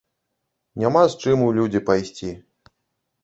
Няма з чым у людзі пайсці.